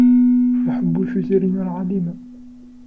لحب جزرنا العظيمة.